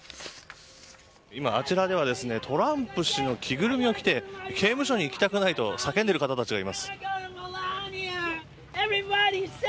今、あちらではトランプ氏の着ぐるみを着て刑務所に行きたくないと叫んでいる方たちがいます。